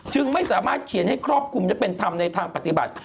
จึงไม่สามารถเขียนให้ครอบคลุมและเป็นธรรมในทางปฏิบัติ